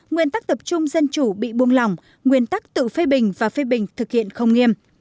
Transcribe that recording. nguyên tắc tập trung dân chủ bị buông lỏng nguyên tắc tự phê bình và phê bình thực hiện không nghiêm